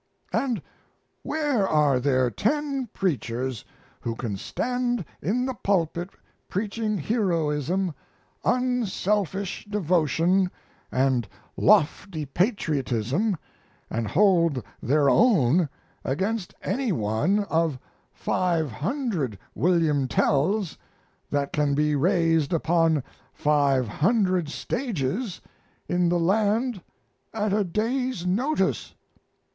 And where are there ten preachers who can stand in the pulpit preaching heroism, unselfish devotion, and lofty patriotism, and hold their own against any one of five hundred William Tells that can be raised upon five hundred stages in the land at a day's notice?